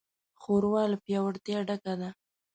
ښوروا له پیاوړتیا ډکه ده.